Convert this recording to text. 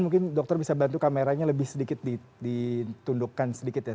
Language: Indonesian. mungkin dokter bisa bantu kameranya lebih sedikit ditundukkan sedikit ya